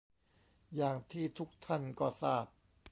อย่างที่ทุกท่านก็ทราบ